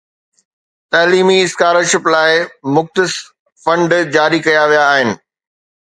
تعليمي scholarship لاءِ مختص فنڊ جاري ڪيا ويا آهن